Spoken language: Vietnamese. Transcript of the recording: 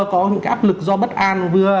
có những cái áp lực do bất an vừa